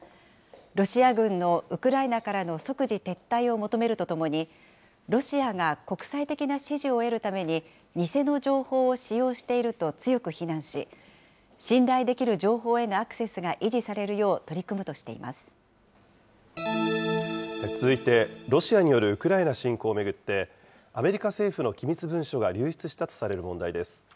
ロシア軍のウクライナからの即時撤退を求めるとともに、ロシアが国際的な支持を得るために偽の情報を使用していると強く非難し、信頼できる情報へのアクセスが維持されるよう取り組むと続いて、ロシアによるウクライナ侵攻を巡って、アメリカ政府の機密文書が流出したとされる問題です。